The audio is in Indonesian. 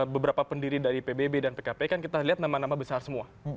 beberapa pendiri dari pbb dan pkp kan kita lihat nama nama besar semua